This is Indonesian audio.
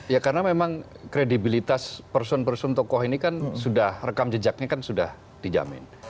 ya karena memang kredibilitas person person tokoh ini kan sudah rekam jejaknya kan sudah dijamin